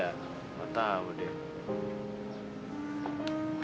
nggak tahu deh